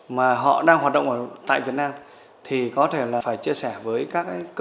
mà họ đang hoạt động tại việt nam thì có thể là phải chia sẻ với các doanh nghiệp lớn